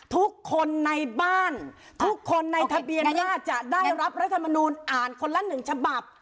ทุกคนในบ้านทุกคนในทะเบียนญาติจะได้รับรัฐมนูลอ่านคนละหนึ่งฉบับ